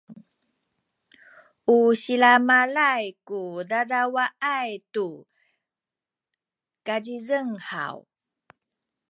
u silamalay ku dadawaay tu kazizeng haw?